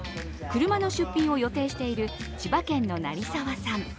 車の出品を予定している千葉県の成沢さん。